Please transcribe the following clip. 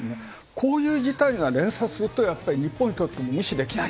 こういう事態が連鎖すると、やっぱり日本にとっても無視できない。